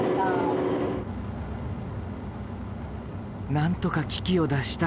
なんとか危機を脱した。